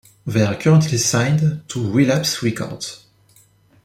They are currently signed to Relapse Records.